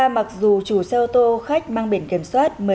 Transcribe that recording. mặc dù chủ xe ô tô khách mang biển kiểm soát